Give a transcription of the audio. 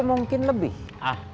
mungkin lebih ah